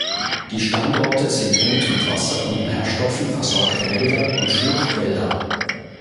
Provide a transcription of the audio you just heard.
Die Standorte sind gut mit Wasser und Nährstoffen versorgte Wälder und Schluchtwälder.